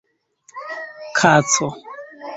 kaco